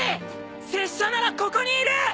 拙者ならここにいる！